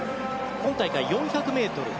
今大会、４００ｍ５位。